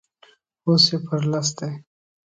اوس يو پر لس دی.